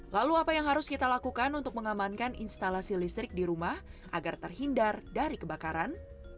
lalu apa yang harus kita lakukan untuk mengamankan instalasi listrik di rumah agar terhindar dari kebakaran